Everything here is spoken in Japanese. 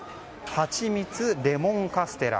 はちみつレモンカステラ。